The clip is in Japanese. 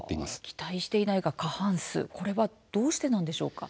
期待していないが過半数、これはどうしてなんでしょうか。